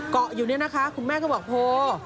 เกาะอยู่เนี่ยนะคะคุณแม่ก็บอกโพล